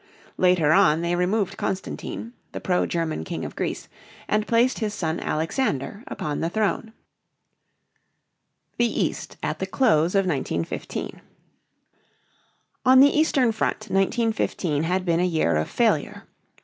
Later on, they removed Constantine, the pro German king of Greece, and placed his son Alexander upon the throne. THE EAST AT THE CLOSE OF 1915. On the eastern front 1915 had been a year of failure.